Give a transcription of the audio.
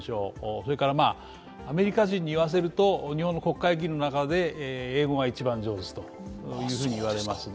それからアメリカ人にいわせると、日本の国会議員の中で英語が一番上手と言われますね。